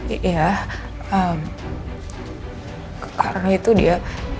iya karena itu dia